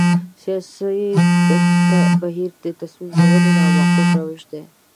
سیاسي بهیر د تصمیم نیونې نامعقول روش دی.